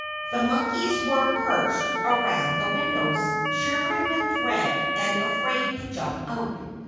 The monkeys were perched around the windows, shivering with dread and afraid to jump out.